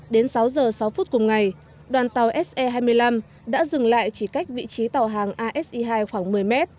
đến sáu h sáu phút cùng ngày đoàn tàu se hai mươi năm đã dừng lại chỉ cách vị trí tàu hàng asi hai khoảng một mươi m